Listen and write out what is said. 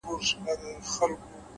قناعت د شتمن زړه نښه ده’